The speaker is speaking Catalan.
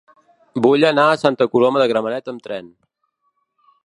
Vull anar a Santa Coloma de Gramenet amb tren.